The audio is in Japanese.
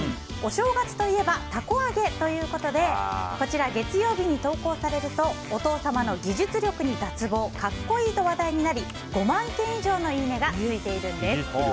お正月といえばたこ揚げということでこちら、月曜日に投稿されるとお父様の技術力に脱帽格好いいと話題となり５万件以上のいいねがついているんです。